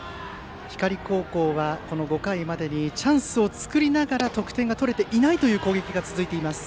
光高校は、５回までにチャンスを作りながら得点が取れていない攻撃が続いています。